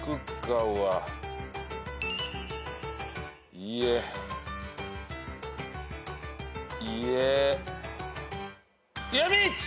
いえいえ。